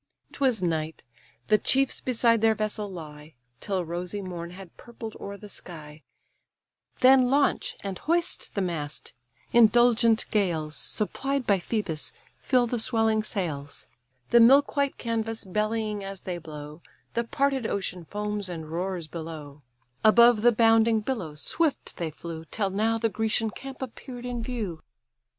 'Twas night; the chiefs beside their vessel lie, Till rosy morn had purpled o'er the sky: Then launch, and hoist the mast: indulgent gales, Supplied by Phœbus, fill the swelling sails; The milk white canvas bellying as they blow, The parted ocean foams and roars below: Above the bounding billows swift they flew, Till now the Grecian camp appear'd in view.